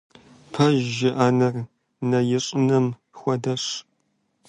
Пэж жыӀэныр нэ ищӀыным хуэдэщ.